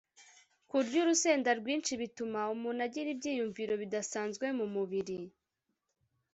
Kurya urusenda rwinshi bituma umuntu agira ibyiyumviro bidasanzwe mu mubiri